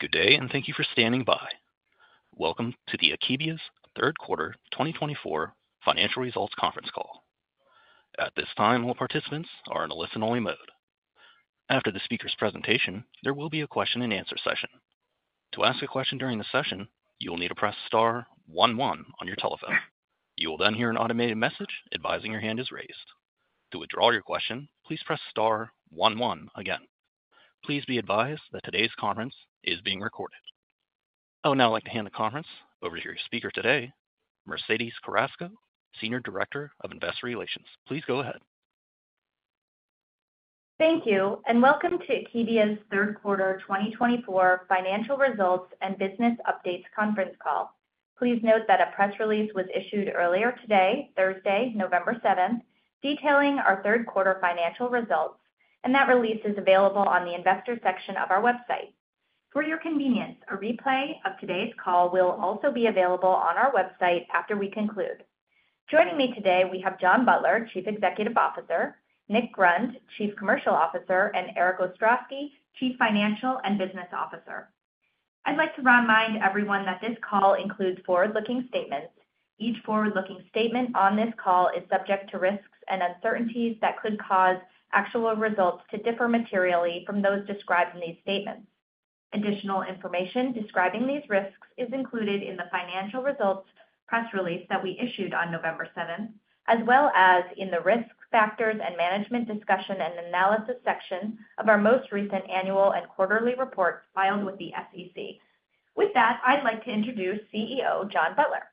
Good day, and thank you for standing by. Welcome to the Akebia's Third Quarter 2024 Financial Results Conference Call. At this time, all participants are in a listen-only mode. After the speaker's presentation, there will be a question-and-answer session. To ask a question during the session, you will need to press star 11 on your telephone. You will then hear an automated message advising your hand is raised. To withdraw your question, please press star 11 again. Please be advised that today's conference is being recorded. I would now like to hand the conference over to your speaker today, Mercedes Carrasco, Senior Director of Investor Relations. Please go ahead. Thank you, and welcome to Akebia's Third Quarter 2024 Financial Results and Business Updates Conference Call. Please note that a press release was issued earlier today, Thursday, November 7th, detailing our third quarter financial results, and that release is available on the investor section of our website. For your convenience, a replay of today's call will also be available on our website after we conclude. Joining me today, we have John Butler, Chief Executive Officer, Nick Grund, Chief Commercial Officer, and Erik Ostrowski, Chief Financial and Business Officer. I'd like to remind everyone that this call includes forward-looking statements. Each forward-looking statement on this call is subject to risks and uncertainties that could cause actual results to differ materially from those described in these statements. Additional information describing these risks is included in the financial results press release that we issued on November 7th, as well as in the risk factors and management discussion and analysis section of our most recent annual and quarterly reports filed with the SEC. With that, I'd like to introduce CEO John Butler.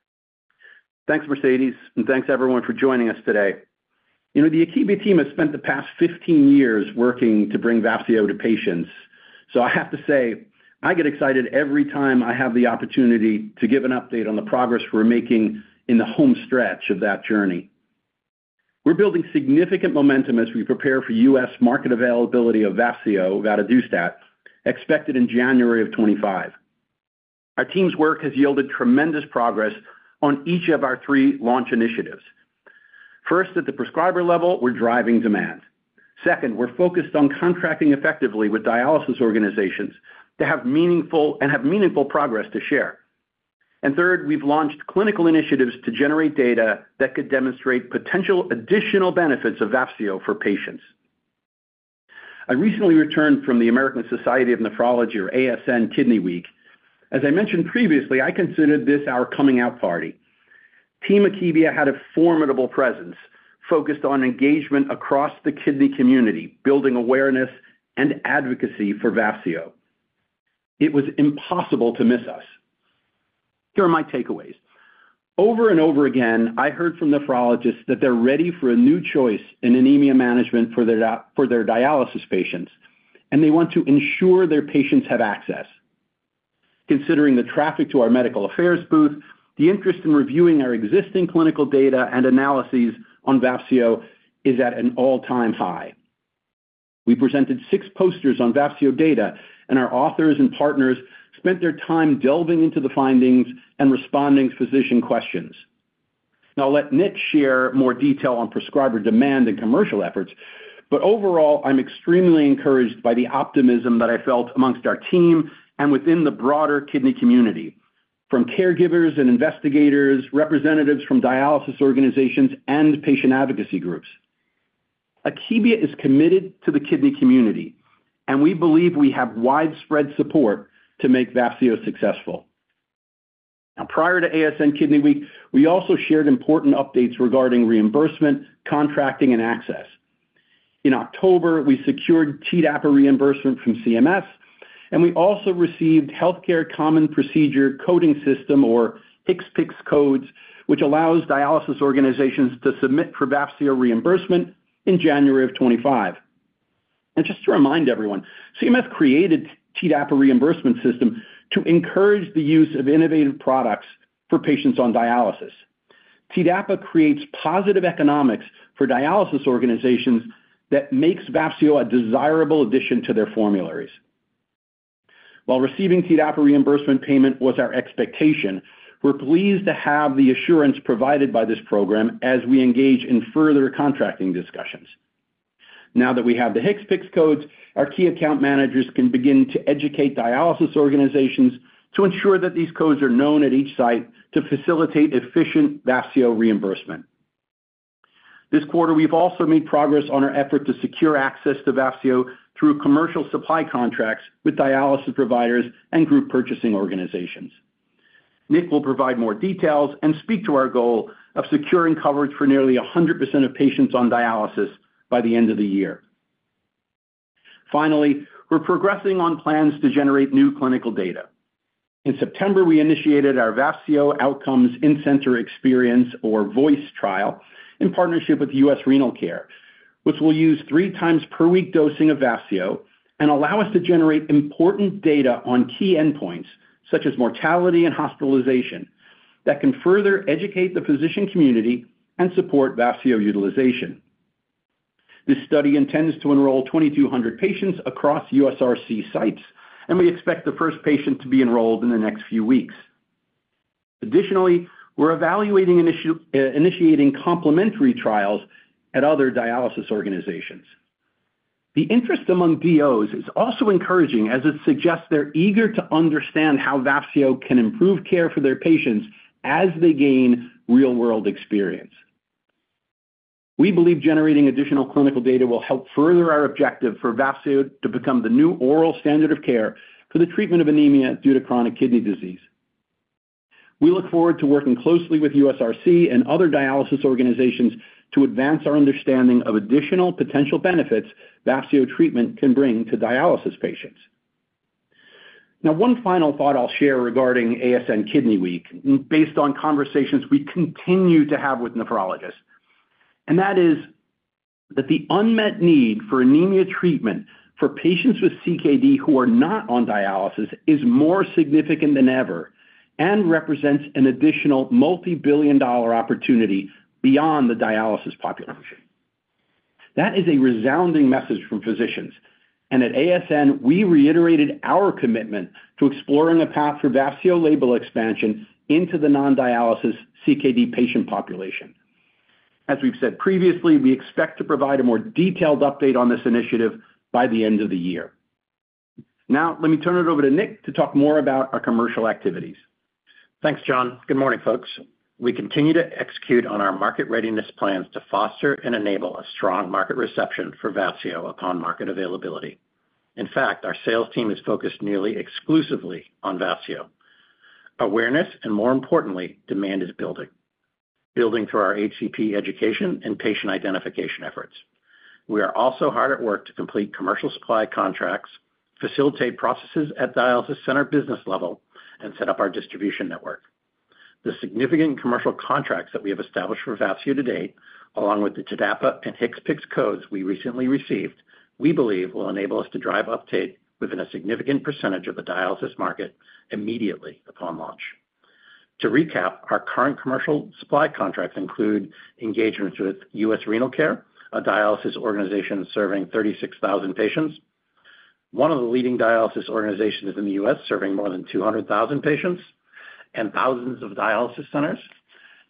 Thanks, Mercedes, and thanks everyone for joining us today. The Akebia team has spent the past 15 years working to bring Vafseo to patients, so I have to say I get excited every time I have the opportunity to give an update on the progress we're making in the home stretch of that journey. We're building significant momentum as we prepare for U.S. market availability of Vafseo, Vadadustat, expected in January of 2025. Our team's work has yielded tremendous progress on each of our three launch initiatives. First, at the prescriber level, we're driving demand. Second, we're focused on contracting effectively with dialysis organizations to have meaningful progress to share. And third, we've launched clinical initiatives to generate data that could demonstrate potential additional benefits of Vafseo for patients. I recently returned from the American Society of Nephrology, or ASN, Kidney Week. As I mentioned previously, I considered this our coming-out party. Team Akebia had a formidable presence focused on engagement across the kidney community, building awareness and advocacy for Vafseo. It was impossible to miss us. Here are my takeaways. Over and over again, I heard from nephrologists that they're ready for a new choice in anemia management for their dialysis patients, and they want to ensure their patients have access. Considering the traffic to our medical affairs booth, the interest in reviewing our existing clinical data and analyses on Vafseo is at an all-time high. We presented six posters on Vafseo data, and our authors and partners spent their time delving into the findings and responding to physician questions. Now, I'll let Nick share more detail on prescriber demand and commercial efforts, but overall, I'm extremely encouraged by the optimism that I felt amongst our team and within the broader kidney community, from caregivers and investigators, representatives from dialysis organizations, and patient advocacy groups. Akebia is committed to the kidney community, and we believe we have widespread support to make Vafseo successful. Now, prior to ASN Kidney Week, we also shared important updates regarding reimbursement, contracting, and access. In October, we secured TDAPA reimbursement from CMS, and we also received Healthcare Common Procedure Coding System, or HCPCS codes, which allows dialysis organizations to submit for Vafseo reimbursement in January of 2025. Just to remind everyone, CMS created TDAPA reimbursement system to encourage the use of innovative products for patients on dialysis. TDAPA creates positive economics for dialysis organizations that makes Vafseo a desirable addition to their formularies. While receiving TDAPA reimbursement payment was our expectation, we're pleased to have the assurance provided by this program as we engage in further contracting discussions. Now that we have the HCPCS codes, our key account managers can begin to educate dialysis organizations to ensure that these codes are known at each site to facilitate efficient Vafseo reimbursement. This quarter, we've also made progress on our effort to secure access to Vafseo through commercial supply contracts with dialysis providers and group purchasing organizations. Nick will provide more details and speak to our goal of securing coverage for nearly 100% of patients on dialysis by the end of the year. Finally, we're progressing on plans to generate new clinical data. In September, we initiated our Vafseo Outcomes In-Center Experience, or VOICE trial, in partnership with U.S. Renal Care, which will use three times per week dosing of Vafseo and allow us to generate important data on key endpoints such as mortality and hospitalization that can further educate the physician community and support Vafseo utilization. This study intends to enroll 2,200 patients across USRC sites, and we expect the first patient to be enrolled in the next few weeks. Additionally, we're evaluating initiating complementary trials at other dialysis organizations. The interest among DOs is also encouraging as it suggests they're eager to understand how Vafseo can improve care for their patients as they gain real-world experience. We believe generating additional clinical data will help further our objective for Vafseo to become the new oral standard of care for the treatment of anemia due to chronic kidney disease. We look forward to working closely with USRC and other dialysis organizations to advance our understanding of additional potential benefits Vafseo treatment can bring to dialysis patients. Now, one final thought I'll share regarding ASN Kidney Week, based on conversations we continue to have with nephrologists, and that is that the unmet need for anemia treatment for patients with CKD who are not on dialysis is more significant than ever and represents an additional multi-billion dollar opportunity beyond the dialysis population. That is a resounding message from physicians, and at ASN, we reiterated our commitment to exploring a path for Vafseo label expansion into the non-dialysis CKD patient population. As we've said previously, we expect to provide a more detailed update on this initiative by the end of the year. Now, let me turn it over to Nick to talk more about our commercial activities. Thanks, John. Good morning, folks. We continue to execute on our market readiness plans to foster and enable a strong market reception for Vafseo upon market availability. In fact, our sales team is focused nearly exclusively on Vafseo. Awareness and, more importantly, demand is building, building through our HCP education and patient identification efforts. We are also hard at work to complete commercial supply contracts, facilitate processes at dialysis center business level, and set up our distribution network. The significant commercial contracts that we have established for Vafseo to date, along with the TDAPA and HCPCS codes we recently received, we believe will enable us to drive uptake within a significant percentage of the dialysis market immediately upon launch. To recap, our current commercial supply contracts include engagements with U.S. Renal Care, a dialysis organization serving 36,000 patients, one of the leading dialysis organizations in the U.S. serving more than 200,000 patients, and thousands of dialysis centers,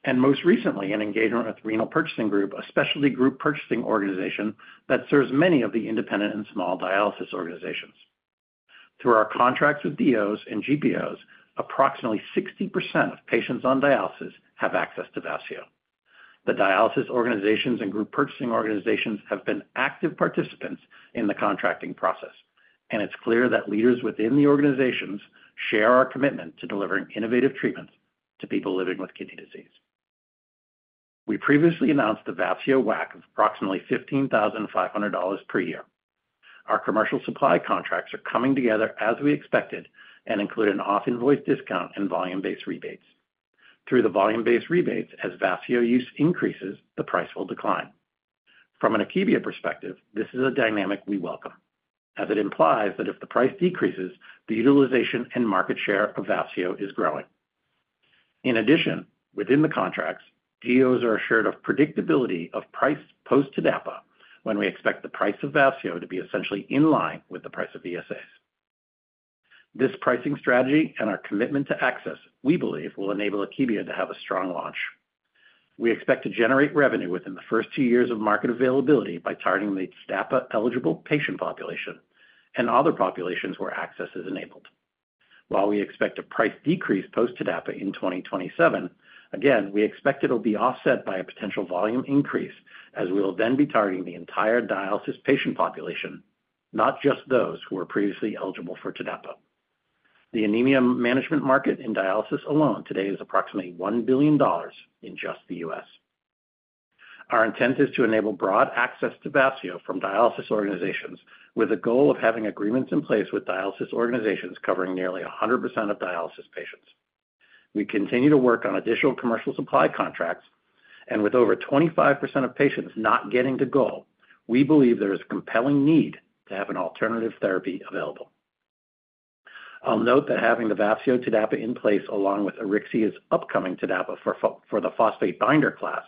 and most recently, an engagement with Renal Purchasing Group, a specialty group purchasing organization that serves many of the independent and small dialysis organizations. Through our contracts with DOs and GPOs, approximately 60% of patients on dialysis have access to Vafseo. The dialysis organizations and group purchasing organizations have been active participants in the contracting process, and it's clear that leaders within the organizations share our commitment to delivering innovative treatments to people living with kidney disease. We previously announced the Vafseo WAC of approximately $15,500 per year. Our commercial supply contracts are coming together as we expected and include an off-invoice discount and volume-based rebates. Through the volume-based rebates, as Vafseo use increases, the price will decline. From an Akebia perspective, this is a dynamic we welcome, as it implies that if the price decreases, the utilization and market share of Vafseo is growing. In addition, within the contracts, DOs are assured of predictability of price post-TDAPA when we expect the price of Vafseo to be essentially in line with the price of ESAs. This pricing strategy and our commitment to access, we believe, will enable Akebia to have a strong launch. We expect to generate revenue within the first two years of market availability by targeting the TDAPA-eligible patient population and other populations where access is enabled. While we expect a price decrease post-TDAPA in 2027, again, we expect it will be offset by a potential volume increase, as we will then be targeting the entire dialysis patient population, not just those who were previously eligible for TDAPA. The anemia management market in dialysis alone today is approximately $1 billion in just the U.S. Our intent is to enable broad access to Vafseo from dialysis organizations, with the goal of having agreements in place with dialysis organizations covering nearly 100% of dialysis patients. We continue to work on additional commercial supply contracts, and with over 25% of patients not getting to goal, we believe there is a compelling need to have an alternative therapy available. I'll note that having the Vafseo TDAPA in place along with Auryxia's upcoming TDAPA for the phosphate binder class,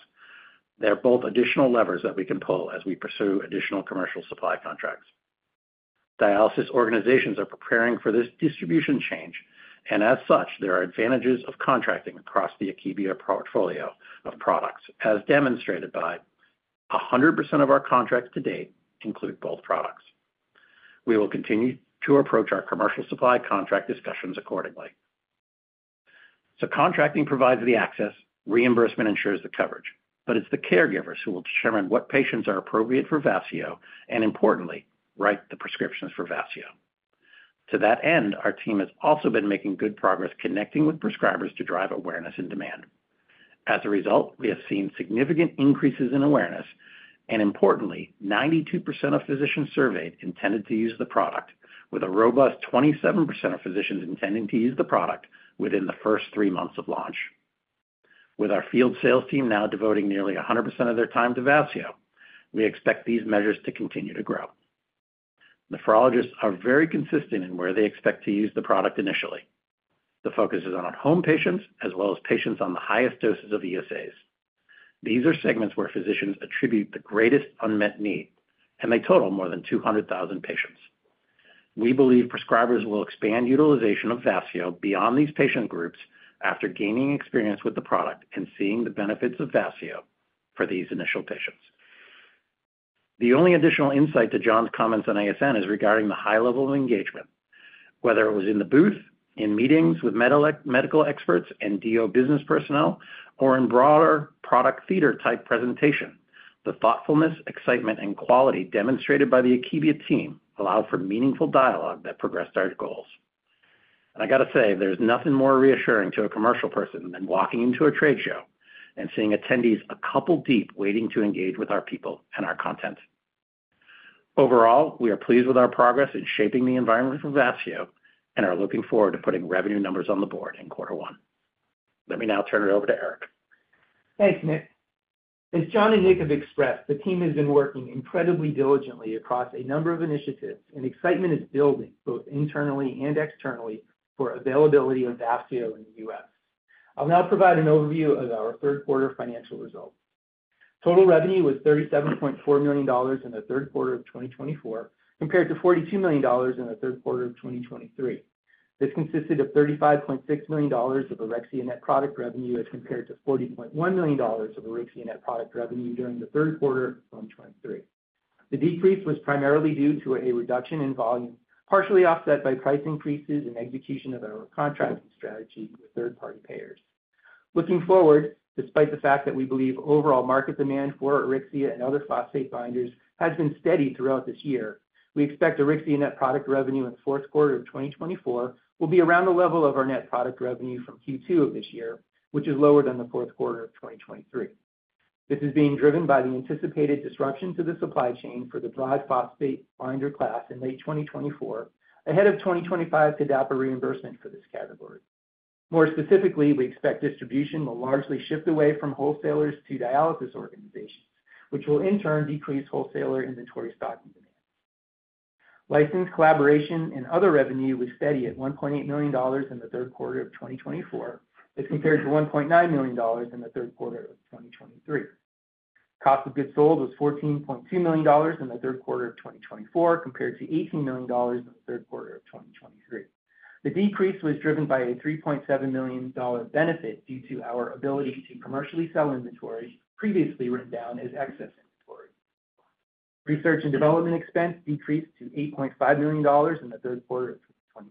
they're both additional levers that we can pull as we pursue additional commercial supply contracts. Dialysis organizations are preparing for this distribution change, and as such, there are advantages of contracting across the Akebia portfolio of products, as demonstrated by 100% of our contracts to date include both products. We will continue to approach our commercial supply contract discussions accordingly. So contracting provides the access, reimbursement ensures the coverage, but it's the caregivers who will determine what patients are appropriate for Vafseo and, importantly, write the prescriptions for Vafseo. To that end, our team has also been making good progress connecting with prescribers to drive awareness and demand. As a result, we have seen significant increases in awareness, and importantly, 92% of physicians surveyed intended to use the product, with a robust 27% of physicians intending to use the product within the first three months of launch. With our field sales team now devoting nearly 100% of their time to Vafseo, we expect these measures to continue to grow. Nephrologists are very consistent in where they expect to use the product initially. The focus is on home patients as well as patients on the highest doses of ESAs. These are segments where physicians attribute the greatest unmet need, and they total more than 200,000 patients. We believe prescribers will expand utilization of Vafseo beyond these patient groups after gaining experience with the product and seeing the benefits of Vafseo for these initial patients. The only additional insight to John's comments on ASN is regarding the high level of engagement. Whether it was in the booth, in meetings with medical experts and DO business personnel, or in broader Product Theater-type presentation, the thoughtfulness, excitement, and quality demonstrated by the Akebia team allowed for meaningful dialogue that progressed our goals. And I got to say, there's nothing more reassuring to a commercial person than walking into a trade show and seeing attendees a couple deep waiting to engage with our people and our content. Overall, we are pleased with our progress in shaping the environment for Vafseo and are looking forward to putting revenue numbers on the board in quarter one. Let me now turn it over to Erik. Thanks, Nick. As John and Nick have expressed, the team has been working incredibly diligently across a number of initiatives, and excitement is building both internally and externally for availability of Vafseo in the U.S. I'll now provide an overview of our third quarter financial results. Total revenue was $37.4 million in the third quarter of 2024 compared to $42 million in the third quarter of 2023. This consisted of $35.6 million of Auryxia net product revenue as compared to $40.1 million of Auryxia net product revenue during the third quarter of 2023. The decrease was primarily due to a reduction in volume, partially offset by price increases and execution of our contracting strategy with third-party payers. Looking forward, despite the fact that we believe overall market demand for Auryxia and other phosphate binders has been steady throughout this year, we expect Auryxia net product revenue in the fourth quarter of 2024 will be around the level of our net product revenue from Q2 of this year, which is lower than the fourth quarter of 2023. This is being driven by the anticipated disruption to the supply chain for the broad phosphate binder class in late 2024 ahead of 2025 TDAPA reimbursement for this category. More specifically, we expect distribution will largely shift away from wholesalers to dialysis organizations, which will in turn decrease wholesaler inventory stocking demand. License, collaboration, and other revenue was steady at $1.8 million in the third quarter of 2024 as compared to $1.9 million in the third quarter of 2023. Cost of goods sold was $14.2 million in the third quarter of 2024 compared to $18 million in the third quarter of 2023. The decrease was driven by a $3.7 million benefit due to our ability to commercially sell inventory previously written down as excess inventory. Research and development expense decreased to $8.5 million in the third quarter of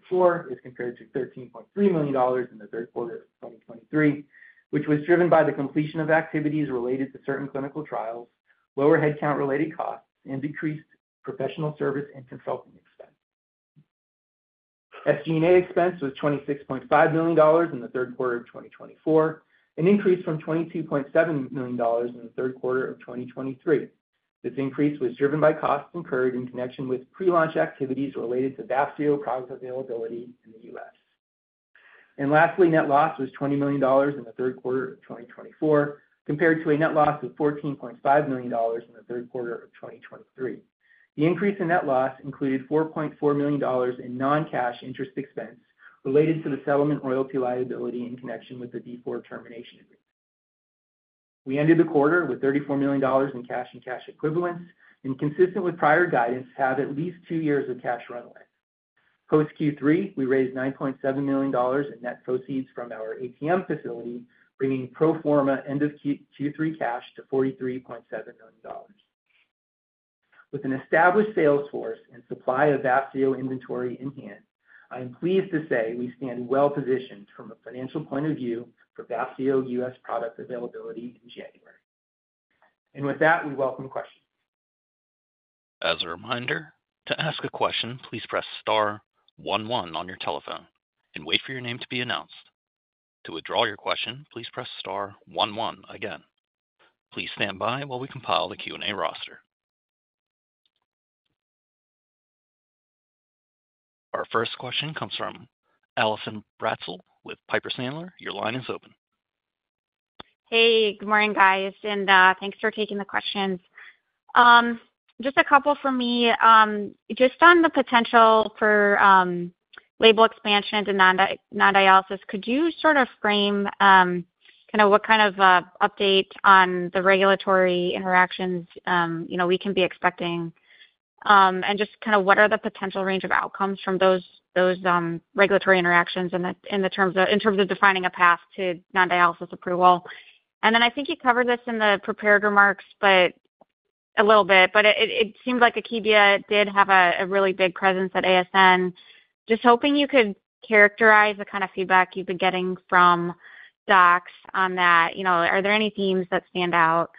2024 as compared to $13.3 million in the third quarter of 2023, which was driven by the completion of activities related to certain clinical trials, lower headcount-related costs, and decreased professional service and consulting expense. SG&A expense was $26.5 million in the third quarter of 2024, an increase from $22.7 million in the third quarter of 2023. This increase was driven by costs incurred in connection with pre-launch activities related to Vafseo product availability in the U.S. Lastly, net loss was $20 million in the third quarter of 2024 compared to a net loss of $14.5 million in the third quarter of 2023. The increase in net loss included $4.4 million in non-cash interest expense related to the settlement royalty liability in connection with the D4 termination agreement. We ended the quarter with $34 million in cash and cash equivalents and, consistent with prior guidance, have at least two years of cash runway. Post Q3, we raised $9.7 million in net proceeds from our ATM facility, bringing pro forma end-of-Q3 cash to $43.7 million. With an established sales force and supply of Vafseo inventory in hand, I am pleased to say we stand well positioned from a financial point of view for Vafseo U.S. product availability in January. And with that, we welcome questions. As a reminder, to ask a question, please press star 11 on your telephone and wait for your name to be announced. To withdraw your question, please press star 11 again. Please stand by while we compile the Q&A roster. Our first question comes from Allison Bratzel with Piper Sandler. Your line is open. Hey, good morning, guys, and thanks for taking the questions. Just a couple for me. Just on the potential for label expansion and non-dialysis, could you sort of frame kind of what kind of update on the regulatory interactions we can be expecting and just kind of what are the potential range of outcomes from those regulatory interactions in terms of defining a path to non-dialysis approval? And then I think you covered this in the prepared remarks a little bit, but it seemed like Akebia did have a really big presence at ASN. Just hoping you could characterize the kind of feedback you've been getting from docs on that. Are there any themes that stand out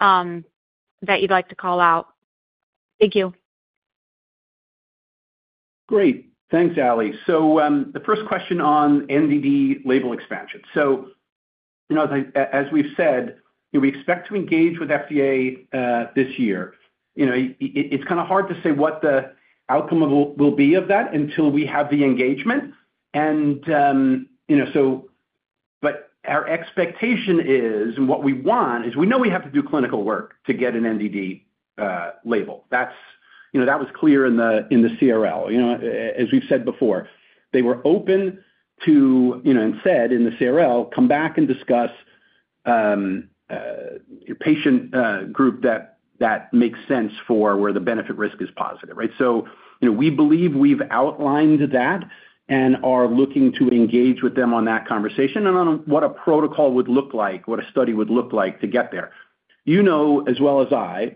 that you'd like to call out? Thank you. Great. Thanks, Alli. So the first question on NDD label expansion. So as we've said, we expect to engage with FDA this year. It's kind of hard to say what the outcome will be of that until we have the engagement. And so but our expectation is, and what we want is we know we have to do clinical work to get an NDD label. That was clear in the CRL. As we've said before, they were open to, and said in the CRL, come back and discuss your patient group that makes sense for where the benefit risk is positive. So we believe we've outlined that and are looking to engage with them on that conversation and on what a protocol would look like, what a study would look like to get there. You know as well as I,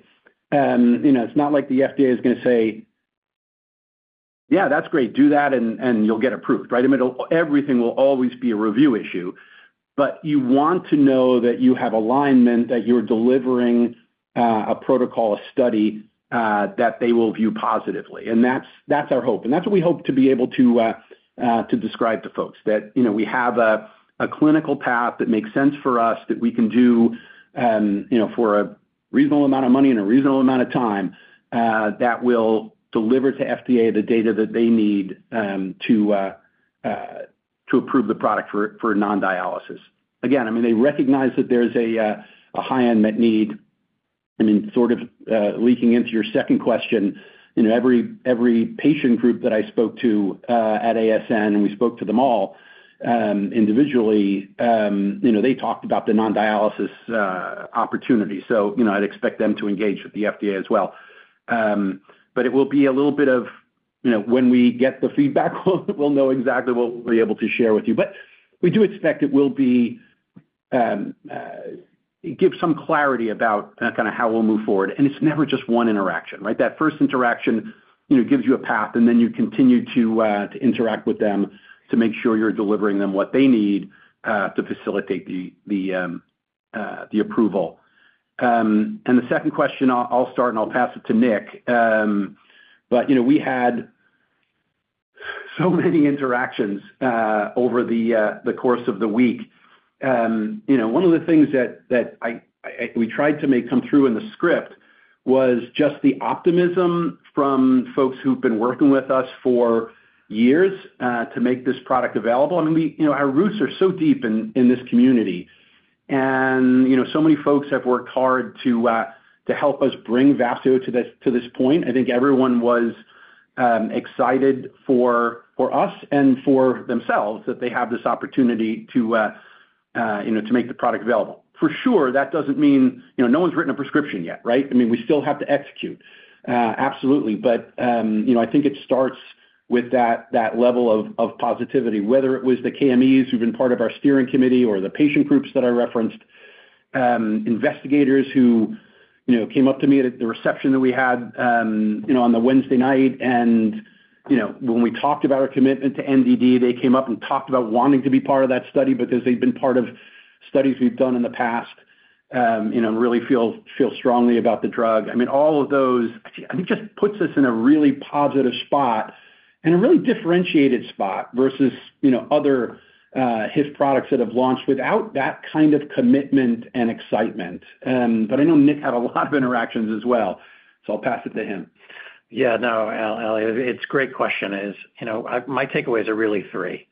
it's not like the FDA is going to say, "Yeah, that's great. Do that and you'll get approved." Everything will always be a review issue, but you want to know that you have alignment, that you're delivering a protocol, a study that they will view positively. And that's our hope. And that's what we hope to be able to describe to folks, that we have a clinical path that makes sense for us, that we can do for a reasonable amount of money and a reasonable amount of time that will deliver to FDA the data that they need to approve the product for non-dialysis. Again, I mean, they recognize that there's a high unmet need. I mean, sort of leaking into your second question, every patient group that I spoke to at ASN, and we spoke to them all individually, they talked about the non-dialysis opportunity. I'd expect them to engage with the FDA as well. It will be a little bit of when we get the feedback, we'll know exactly what we'll be able to share with you. We do expect it will give some clarity about kind of how we'll move forward. It's never just one interaction. That first interaction gives you a path, and then you continue to interact with them to make sure you're delivering them what they need to facilitate the approval. For the second question, I'll start and I'll pass it to Nick. We had so many interactions over the course of the week. One of the things that we tried to make come through in the script was just the optimism from folks who've been working with us for years to make this product available. I mean, our roots are so deep in this community. So many folks have worked hard to help us bring Vafseo to this point. I think everyone was excited for us and for themselves that they have this opportunity to make the product available. For sure, that doesn't mean no one's written a prescription yet, right? I mean, we still have to execute. Absolutely. But I think it starts with that level of positivity, whether it was the KMEs who've been part of our steering committee or the patient groups that I referenced, investigators who came up to me at the reception that we had on the Wednesday night. And when we talked about our commitment to NDD, they came up and talked about wanting to be part of that study because they've been part of studies we've done in the past and really feel strongly about the drug. I mean, all of those just puts us in a really positive spot and a really differentiated spot versus other HIF products that have launched without that kind of commitment and excitement. But I know Nick had a lot of interactions as well, so I'll pass it to him. Yeah. No, Alli, it's a great question. My takeaways are really three.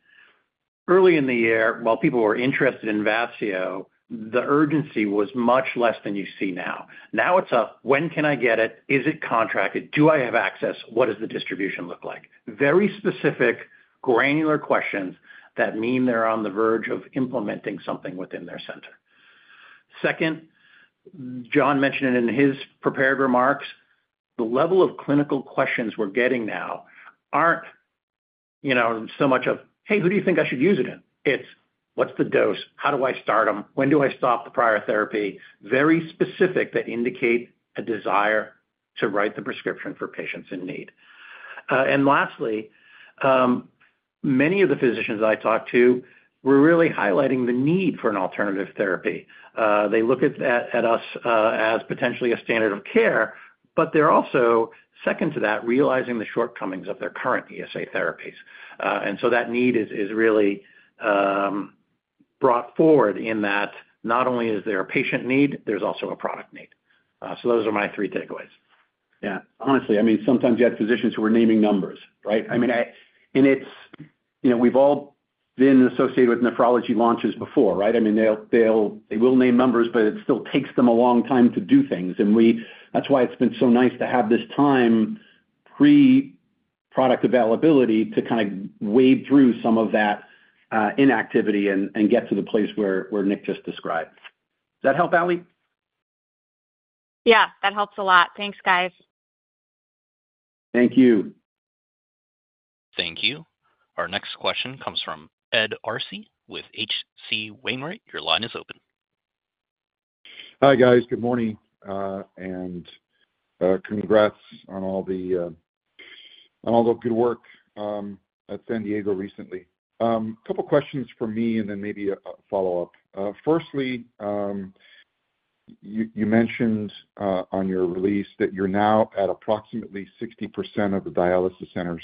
Early in the year, while people were interested in Vafseo, the urgency was much less than you see now. Now it's a, "When can I get it? Is it contracted? Do I have access? What does the distribution look like?" Very specific, granular questions that mean they're on the verge of implementing something within their center. Second, John mentioned it in his prepared remarks, the level of clinical questions we're getting now aren't so much of, "Hey, who do you think I should use it in?" It's, "What's the dose? How do I start them? When do I stop the prior therapy?" Very specific that indicate a desire to write the prescription for patients in need. And lastly, many of the physicians I talked to were really highlighting the need for an alternative therapy. They look at us as potentially a standard of care, but they're also, second to that, realizing the shortcomings of their current ESA therapies, and so that need is really brought forward in that not only is there a patient need, there's also a product need, so those are my three takeaways. Yeah. Honestly, I mean, sometimes you had physicians who were naming numbers, right? I mean, and we've all been associated with nephrology launches before, right? I mean, they will name numbers, but it still takes them a long time to do things. And that's why it's been so nice to have this time pre-product availability to kind of wade through some of that inactivity and get to the place where Nick just described. Does that help, Alli? Yeah, that helps a lot. Thanks, guys. Thank you. Thank you. Our next question comes from Ed Arce with H.C. Wainwright. Your line is open. Hi, guys. Good morning. And congrats on all the good work at San Diego recently. A couple of questions for me and then maybe a follow-up. Firstly, you mentioned on your release that you're now at approximately 60% of the dialysis centers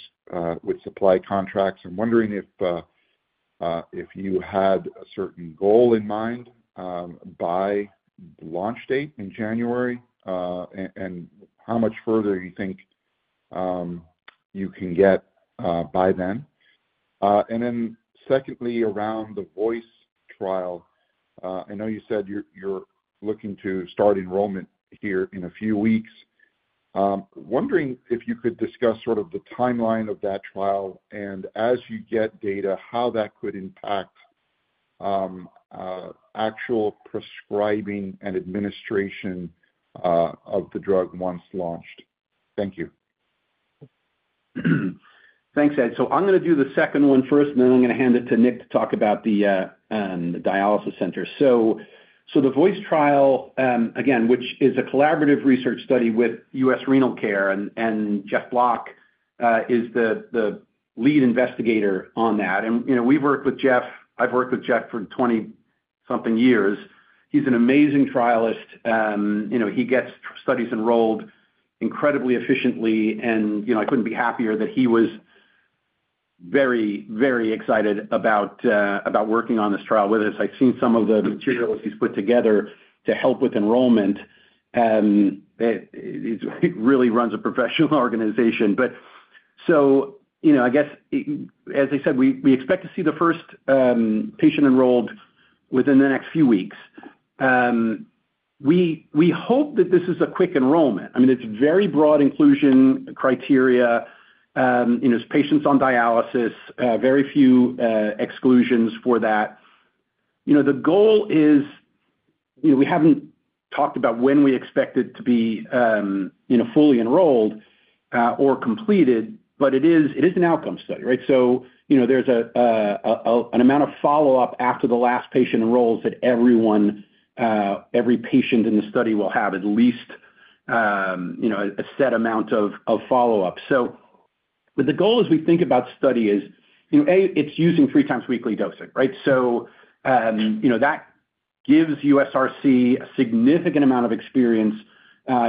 with supply contracts. I'm wondering if you had a certain goal in mind by the launch date in January and how much further you think you can get by then. And then secondly, around the VOICE trial, I know you said you're looking to start enrollment here in a few weeks. Wondering if you could discuss sort of the timeline of that trial and as you get data, how that could impact actual prescribing and administration of the drug once launched. Thank you. Thanks, Ed. So I'm going to do the second one first, and then I'm going to hand it to Nick to talk about the dialysis center. So the VOICE trial, again, which is a collaborative research study with U.S. Renal Care, and Jeff Block is the lead investigator on that, and we've worked with Jeff. I've worked with Jeff for 20-something years. He's an amazing trialist. He gets studies enrolled incredibly efficiently, and I couldn't be happier that he was very, very excited about working on this trial with us. I've seen some of the materials he's put together to help with enrollment. It really runs a professional organization, but so I guess, as I said, we expect to see the first patient enrolled within the next few weeks. We hope that this is a quick enrollment. I mean, it's very broad inclusion criteria. It's patients on dialysis, very few exclusions for that. The goal is we haven't talked about when we expect it to be fully enrolled or completed, but it is an outcome study, right? So there's an amount of follow-up after the last patient enrolls that every patient in the study will have at least a set amount of follow-up. So the goal as we think about study is, A, it's using three times weekly dosing, right? So that gives USRC a significant amount of experience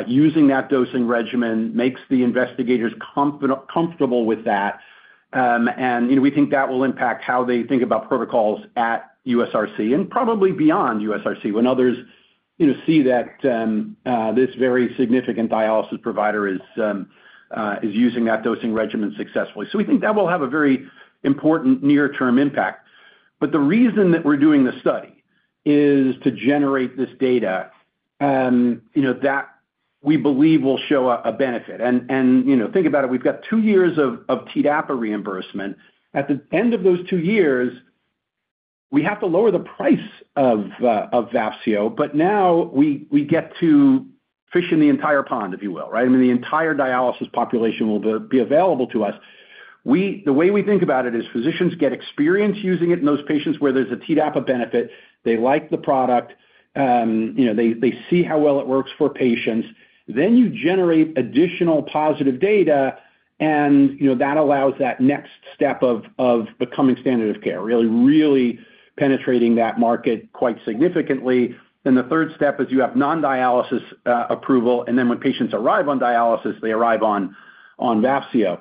using that dosing regimen, makes the investigators comfortable with that. And we think that will impact how they think about protocols at USRC and probably beyond USRC when others see that this very significant dialysis provider is using that dosing regimen successfully. So we think that will have a very important near-term impact. But the reason that we're doing the study is to generate this data that we believe will show a benefit. And think about it, we've got two years of TDAPA reimbursement. At the end of those two years, we have to lower the price of Vafseo, but now we get to fish in the entire pond, if you will, right? I mean, the entire dialysis population will be available to us. The way we think about it is physicians get experience using it in those patients where there's a TDAPA benefit. They like the product. They see how well it works for patients. Then you generate additional positive data, and that allows that next step of becoming standard of care, really penetrating that market quite significantly. Then the third step is you have non-dialysis approval, and then when patients arrive on dialysis, they arrive on Vafseo.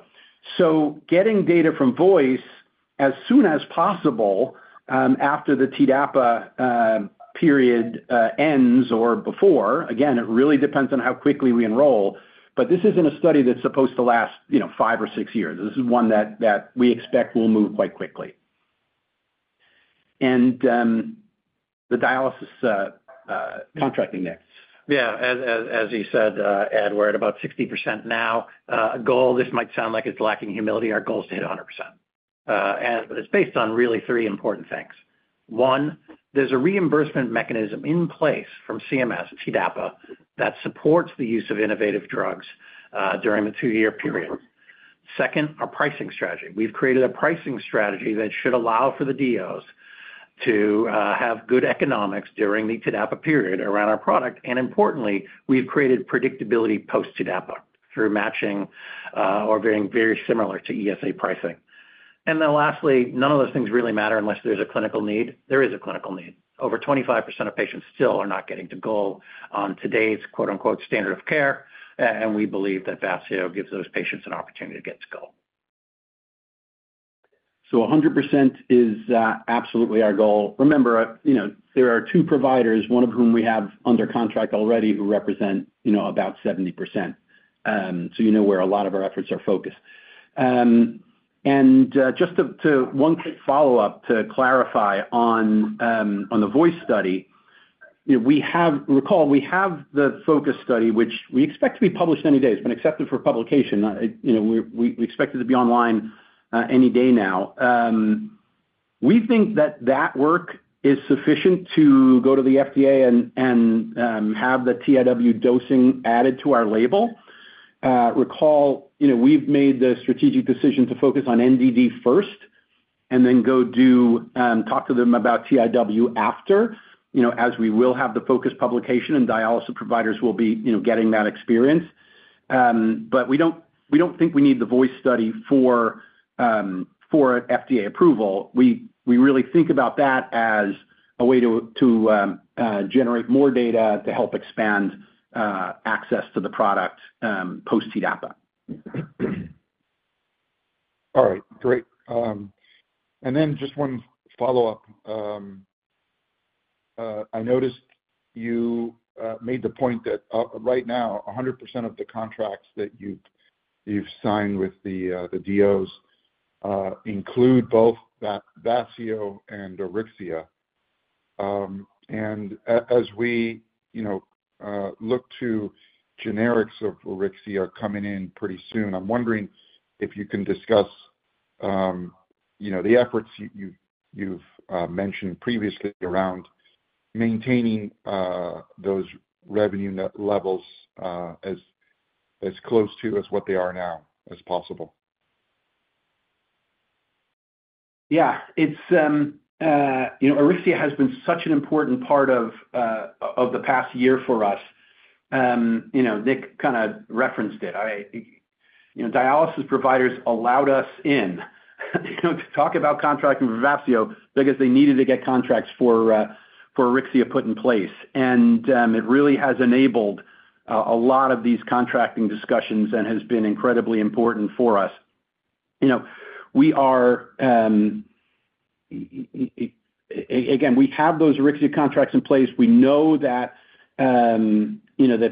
So getting data from VOICE as soon as possible after the TDAPA period ends or before. Again, it really depends on how quickly we enroll, but this isn't a study that's supposed to last five or six years. This is one that we expect will move quite quickly. And the dialysis contracting next. Yeah. As you said, Ed, we're at about 60% now. Goal, this might sound like it's lacking humility. Our goal is to hit 100%. But it's based on really three important things. One, there's a reimbursement mechanism in place from CMS, TDAPA, that supports the use of innovative drugs during the two-year period. Second, our pricing strategy. We've created a pricing strategy that should allow for the DOs to have good economics during the TDAPA period around our product. And importantly, we've created predictability post-TDAPA through matching or being very similar to ESA pricing. And then lastly, none of those things really matter unless there's a clinical need. There is a clinical need. Over 25% of patients still are not getting to goal on today's "standard of care," and we believe that Vafseo gives those patients an opportunity to get to goal. 100% is absolutely our goal. Remember, there are two providers, one of whom we have under contract already, who represent about 70%. You know where a lot of our efforts are focused. Just one quick follow-up to clarify on the VOICE study. Recall, we have the FOCUS study, which we expect to be published any day. It's been accepted for publication. We expect it to be online any day now. We think that that work is sufficient to go to the FDA and have the TIW dosing added to our label. Recall, we've made the strategic decision to focus on NDD first and then go talk to them about TIW after, as we will have the FOCUS publication and dialysis providers will be getting that experience. But we don't think we need the VOICE study for FDA approval. We really think about that as a way to generate more data to help expand access to the product post-TDAPA. All right. Great. And then just one follow-up. I noticed you made the point that right now, 100% of the contracts that you've signed with the DOs include both Vafseo and Auryxia. And as we look to generics of Auryxia coming in pretty soon, I'm wondering if you can discuss the efforts you've mentioned previously around maintaining those revenue levels as close to what they are now as possible. Yeah. Auryxia has been such an important part of the past year for us. Nick kind of referenced it. Dialysis providers allowed us in to talk about contracting for Vafseo because they needed to get contracts for Auryxia put in place. And it really has enabled a lot of these contracting discussions and has been incredibly important for us. Again, we have those Auryxia contracts in place. We know that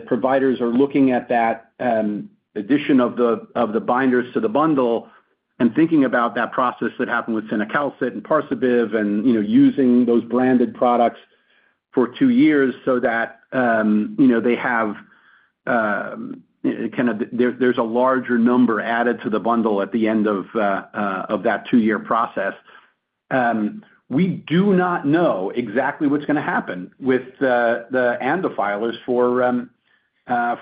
providers are looking at that addition of the binders to the bundle and thinking about that process that happened with cinacalcet and Parsabiv and using those branded products for two years so that they have kind of there's a larger number added to the bundle at the end of that two-year process. We do not know exactly what's going to happen with the ANDA filers for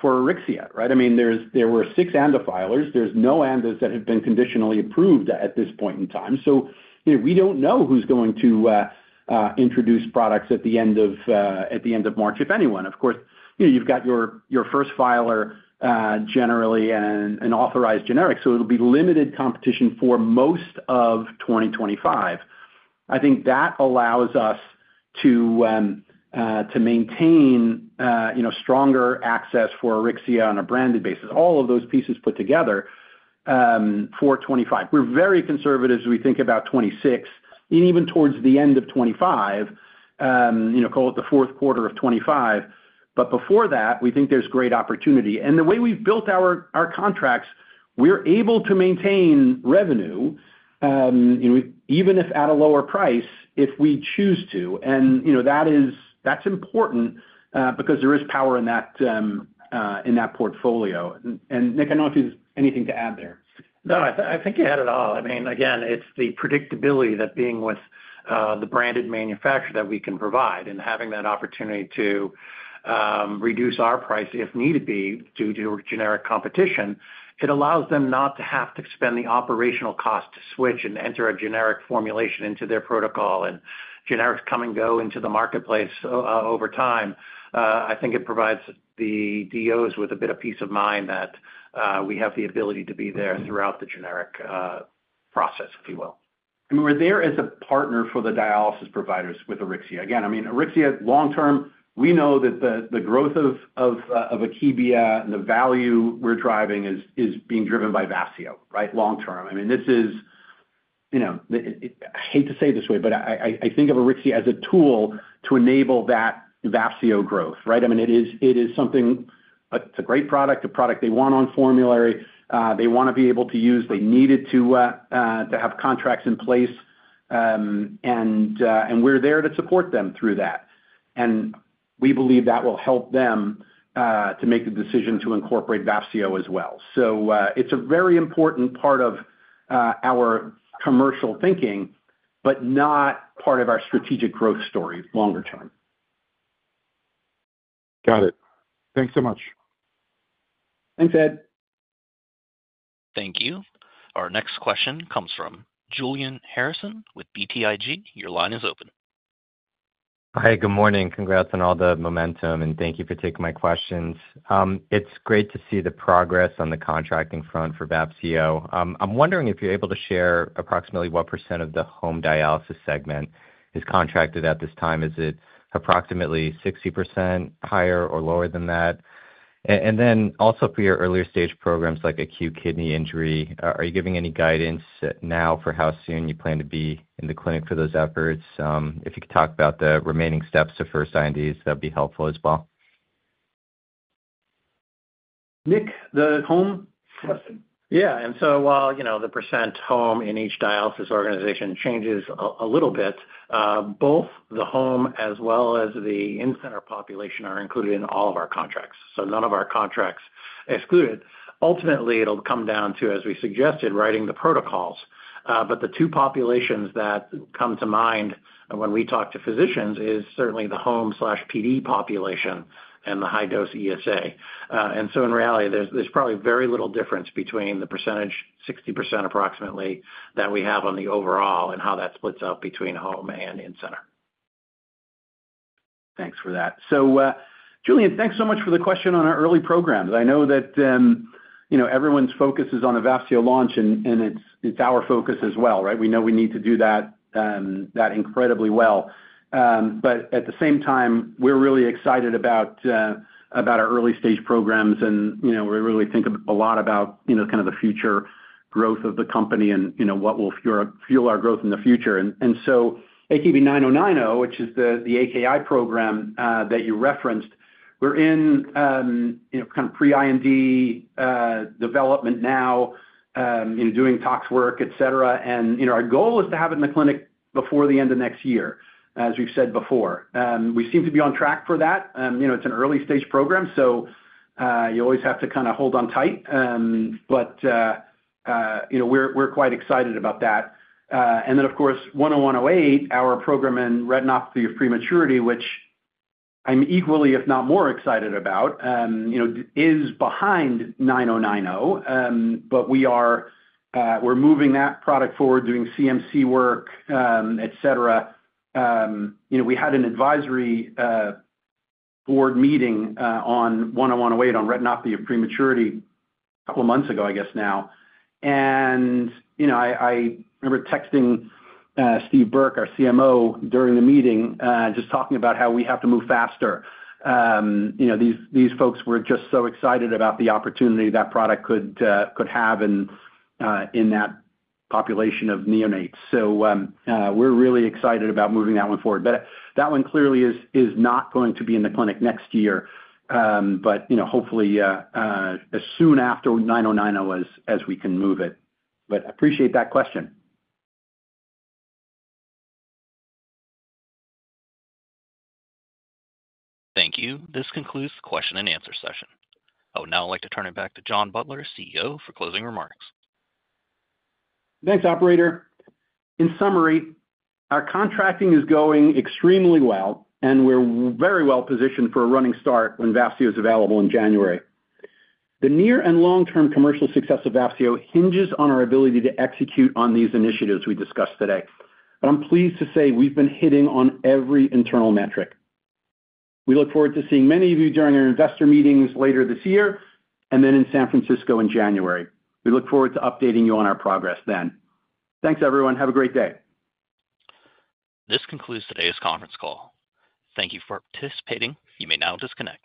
Auryxia, right? I mean, there were six ANDA filers. There's no ANDA filers that have been conditionally approved at this point in time. So we don't know who's going to introduce products at the end of March, if anyone. Of course, you've got your first filer generally and an authorized generic. So it'll be limited competition for most of 2025. I think that allows us to maintain stronger access for Auryxia on a branded basis, all of those pieces put together for 2025. We're very conservative as we think about 2026 and even towards the end of 2025, call it the fourth quarter of 2025. But before that, we think there's great opportunity. And the way we've built our contracts, we're able to maintain revenue even if at a lower price if we choose to. And that's important because there is power in that portfolio. And Nick, I don't know if you have anything to add there. No, I think you had it all. I mean, again, it's the predictability that being with the branded manufacturer that we can provide and having that opportunity to reduce our price if needed be due to generic competition. It allows them not to have to spend the operational cost to switch and enter a generic formulation into their protocol, and generics come and go into the marketplace over time. I think it provides the DOs with a bit of peace of mind that we have the ability to be there throughout the generic process, if you will. And we're there as a partner for the dialysis providers with Auryxia. Again, I mean, Auryxia long-term, we know that the growth of Akebia and the value we're driving is being driven by Vafseo, right? Long-term. I mean, this is I hate to say this way, but I think of Auryxia as a tool to enable that Vafseo growth, right? I mean, it is something. It's a great product, a product they want on formulary. They want to be able to use. They needed to have contracts in place. And we're there to support them through that. And we believe that will help them to make the decision to incorporate Vafseo as well. So it's a very important part of our commercial thinking, but not part of our strategic growth story longer term. Got it. Thanks so much. Thanks, Ed. Thank you. Our next question comes from Julian Harrison with BTIG. Your line is open. Hi, good morning. Congrats on all the momentum, and thank you for taking my questions. It's great to see the progress on the contracting front for Vafseo. I'm wondering if you're able to share approximately what % of the home dialysis segment is contracted at this time. Is it approximately 60% higher or lower than that? And then also for your earlier stage programs like acute kidney injury, are you giving any guidance now for how soon you plan to be in the clinic for those efforts? If you could talk about the remaining steps of first INDs, that'd be helpful as well. Nick, the home? Yeah. And so while the percent home in each dialysis organization changes a little bit, both the home as well as the in-center population are included in all of our contracts. So none of our contracts excluded. Ultimately, it'll come down to, as we suggested, writing the protocols. But the two populations that come to mind when we talk to physicians is certainly the home/PD population and the high-dose ESA. And so in reality, there's probably very little difference between the percentage, 60% approximately, that we have on the overall and how that splits up between home and in-center. Thanks for that. So Julian, thanks so much for the question on our early program. I know that everyone's focus is on a Vafseo launch, and it's our focus as well, right? We know we need to do that incredibly well. But at the same time, we're really excited about our early stage programs, and we really think a lot about kind of the future growth of the company and what will fuel our growth in the future. And so AKB-9090, which is the AKI program that you referenced, we're in kind of pre-IND development now, doing tox work, etc. And our goal is to have it in the clinic before the end of next year, as we've said before. We seem to be on track for that. It's an early stage program, so you always have to kind of hold on tight. But we're quite excited about that. And then, of course, 10108, our program in retinopathy of prematurity, which I'm equally, if not more excited about, is behind 9090. But we're moving that product forward, doing CMC work, etc. We had an advisory board meeting on 10108 on retinopathy of prematurity a couple of months ago, I guess now. And I remember texting Steve Burke, our CMO, during the meeting, just talking about how we have to move faster. These folks were just so excited about the opportunity that product could have in that population of neonates. So we're really excited about moving that one forward. But that one clearly is not going to be in the clinic next year, but hopefully as soon after 9090 as we can move it. But I appreciate that question. Thank you. This concludes the question and answer session. Oh, now I'd like to turn it back to John Butler, CEO, for closing remarks. Thanks, operator. In summary, our contracting is going extremely well, and we're very well positioned for a running start when Vafseo is available in January. The near and long-term commercial success of Vafseo hinges on our ability to execute on these initiatives we discussed today. But I'm pleased to say we've been hitting on every internal metric. We look forward to seeing many of you during our investor meetings later this year and then in San Francisco in January. We look forward to updating you on our progress then. Thanks, everyone. Have a great day. This concludes today's conference call. Thank you for participating. You may now disconnect.